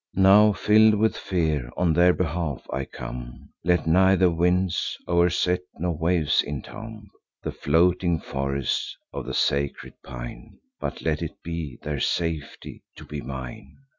Now, fill'd with fear, on their behalf I come; Let neither winds o'erset, nor waves intomb The floating forests of the sacred pine; But let it be their safety to be mine."